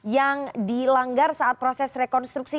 yang dilanggar saat proses rekonstruksi